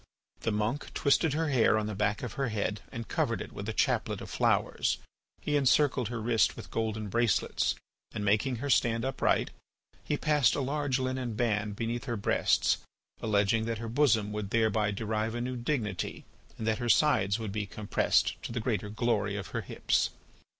The monk twisted her hair on the back of her head and covered it with a chaplet of flowers. He encircled her wrist with golden bracelets and making her stand upright, he passed a large linen band beneath her breasts, alleging that her bosom would thereby derive a new dignity and that her sides would be compressed to the greater glory of her hips.